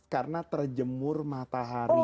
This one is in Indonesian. karena terjemur matahari